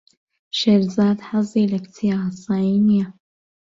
شێرزاد حەزی لە کچی ئاسایی نییە.